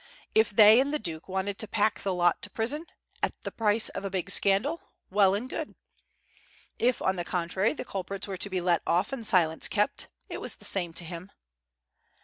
If they and the Duke wanted to pack the lot to prison, at the price of a big scandal, well and good. If, on the contrary, the culprits were to be let off and silence kept, it was the same to him.